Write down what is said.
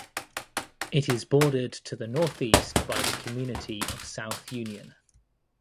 It is bordered to the northeast by the community of South Union.